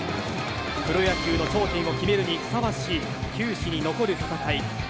プロ野球の頂点を決めるにふさわしい、球史に残る戦い。